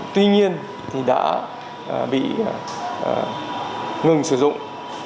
tuy nhiên thì đã bị ngừng sử dụng